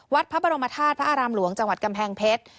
วัดพระบรมธาตุพระอารามหลวงจังหวัดกำแพงเพชร